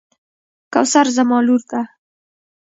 کوثر زما لور ده.